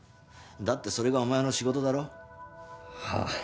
だってそれがお前の仕事だろ？はあ。